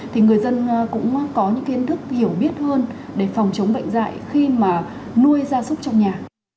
thì người dân cũng có những kiến thức hiểu biết hơn để phòng chống bệnh dạy khi mà nuôi gia súc trong nhà